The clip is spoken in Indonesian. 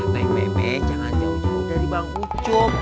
nek me jangan jauh jauh dari bangku cup